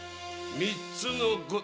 ３つのご。